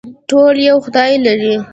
ټول یو خدای لري